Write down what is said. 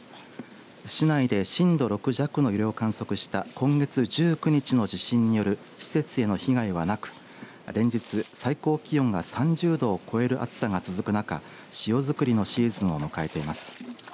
市内で震度６弱の揺れを観測した今月１９日の地震による施設への被害はなく連日、最高気温が３０度を超える暑さが続く中塩作りのシーズンを迎えています。